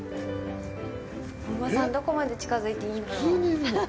お馬さん、どこまで近づいていいんだろう。